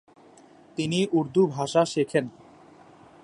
তিনি উর্দু ভাষা শেখেন।